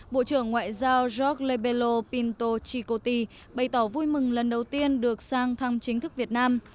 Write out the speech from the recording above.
bộ trưởng ngoại giao georgeo pinto chikoti bày tỏ vui mừng lần đầu tiên được sang thăm chính thức việt nam